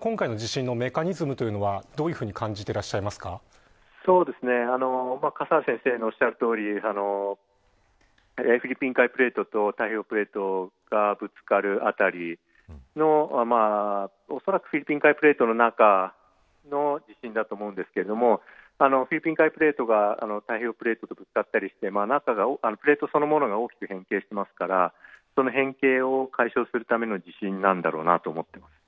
今回の地震のメカニズムは青木さんは笠原先生のおっしゃるとおりフィリピン海プレートと太平洋プレートがぶつかる辺りのおそらくフィリピン海プレートの中の地震だとは思いますがフィリピン海プレートが太平洋プレートとぶつかったりしてプレートそのものが大きく変形しますからその変形を解消するための地震なんだろうなと思います。